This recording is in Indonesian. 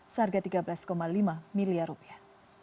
seharga tiga belas lima miliar rupiah